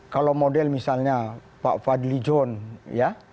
kalau model misalnya pak fadli john ya